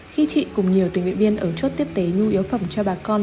khi chị cùng nhiều tình nguyện viên ở chốt tiếp tế nhu yếu phẩm cho bà con